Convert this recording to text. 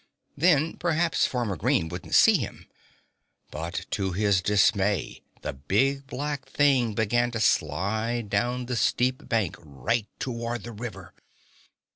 Then perhaps Farmer Green wouldn't see him. But to his dismay the big black thing began to slide down the steep bank right toward the river.